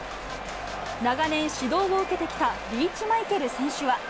長年、指導を受けてきたリーチマイケル選手は。